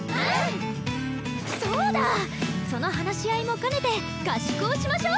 その話し合いも兼ねて合宿をしましょう！